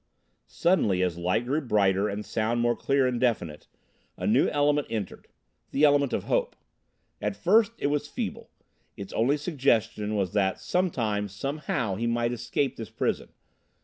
Suddenly, as light grew brighter and sound more clear and definite, a new element entered the element of hope. At first it was feeble: its only suggestion was that sometime, somehow, he might escape this prison.